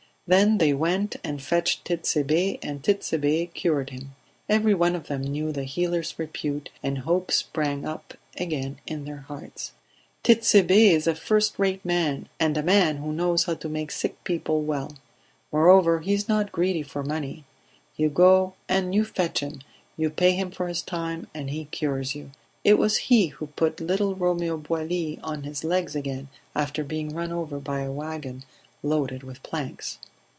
Then they went and fetched Tit'Sebe, and Tit'Sebe cured him." Every one of them knew the healer's repute and hope sprang up again in their hearts. "Tit'Sebe is a first rate man, and a man who knows how to make sick people well. Moreover he is not greedy for money. You go and you fetch him, you pay him for his time, and he cures you. It was he who put little Romeo Boilly on his legs again after being run over by a wagon loaded with planks."